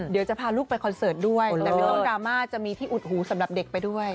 เดี๋ยวจะพาลูกไปคอนเสิร์ตด้วยแต่ไม่ต้องดราม่าจะมีที่อุดหูสำหรับเด็กไปด้วย